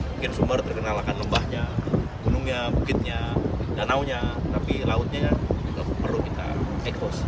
wakil gubernur sumbar terkenalkan lembahnya gunungnya bukitnya danaunya tapi lautnya ya perlu kita ekos